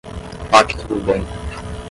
Pacto do bem